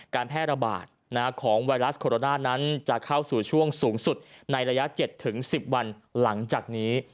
การแพร่ระบาดของไวรัสโคโรนานั้นจะเข้าสู่ช่วงสูงสุดในระยะ๗๑๐วันหลังจากนี้